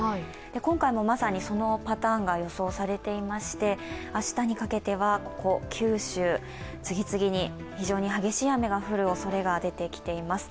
今回もまさにそのパターンが予想されていまして明日にかけては、九州、次々に非常に激しい雨が降るおそれが出てきています。